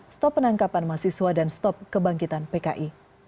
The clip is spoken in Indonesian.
stop penangkapan mahasiswa dan stop kebangkitan pki